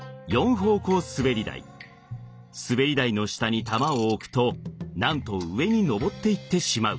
すべり台の下に玉を置くとなんと上にのぼっていってしまう。